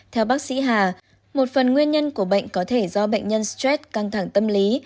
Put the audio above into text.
theo bác sĩ hà một phần nguyên nhân của bệnh có thể do bệnh nhân stress căng thẳng tâm lý